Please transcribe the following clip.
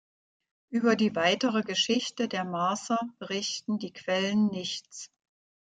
Über die weitere Geschichte der Marser berichten die Quellen nichts.